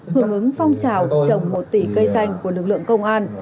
hưởng ứng phong trào trồng một tỷ cây xanh của lực lượng công an